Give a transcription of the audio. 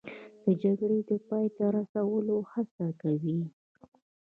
د جګړې د پای ته رسولو هڅه کوي